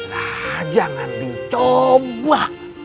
nah jangan dicoba